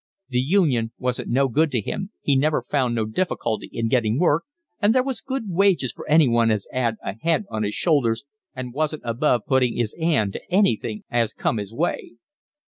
The union wasn't no good to him, he never found no difficulty in getting work, and there was good wages for anyone as 'ad a head on his shoulders and wasn't above puttin' 'is 'and to anything as come 'is way.